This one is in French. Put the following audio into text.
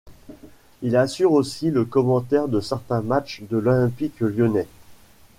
Il assure aussi le commentaire de certains matchs de l'Olympique lyonnais.